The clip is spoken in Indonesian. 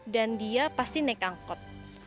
dan dia pasti naik angkot